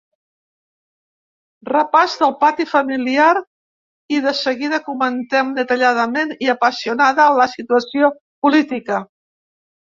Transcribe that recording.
Repàs del ‘pati’ familiar i, de seguida, comentem detalladament i apassionada la situació política.